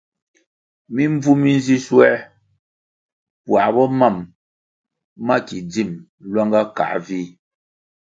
Mimbvu mi nzi schuer puáh bo mam ma ki dzim luanga kăh vih.